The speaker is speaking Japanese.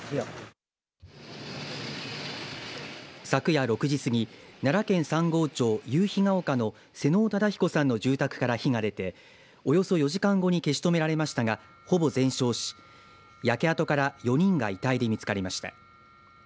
昨夜６時過ぎ奈良県三郷町夕陽ケ丘の妹尾忠彦さんの住宅から火が出ておよそ４時間後に消し止められましたがほぼ全焼し焼け跡から４人が遺体で見つかりました。